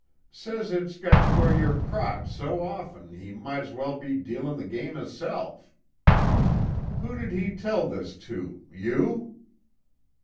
Says it's got to where yer crocked so often he might's well be dealin' the game hisself." "Who did he tell this to you?"